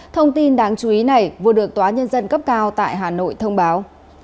thông tin đáng chú ý này vừa được tòa nhân dân cấp cao tại hà nội thông báo